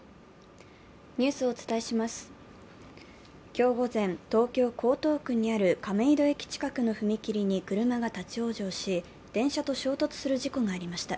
今日午前、東京・江東区にある亀戸駅近くの踏切に車が立往生し、電車と衝突する事故がありました。